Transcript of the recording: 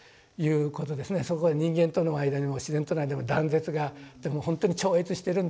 そこは人間との間にも自然との間にも断絶がでもほんとに超越してるんだというの。